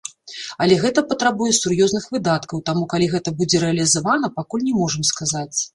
Але гэта патрабуе сур'ёзных выдаткаў, таму калі гэта будзе рэалізавана, пакуль не можам сказаць.